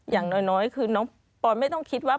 อย่างน้อยคือน้องปอนไม่ต้องคิดว่า